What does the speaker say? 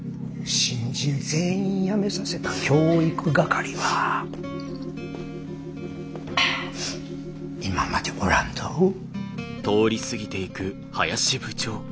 新人全員やめさせた教育係はあ今までおらんどぉ。